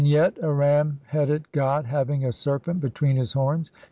9 7 Vignette : A ram headed god, having a serpent between his horns.